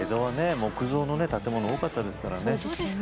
木造の建物多かったですからね。